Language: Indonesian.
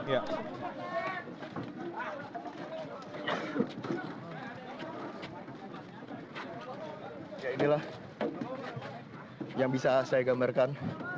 ya inilah yang bisa saya gambarkan